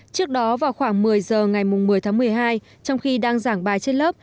trước đó vào khoảng một mươi giờ ngày một mươi tháng một mươi hai trong khi đang giảng bài trên lớp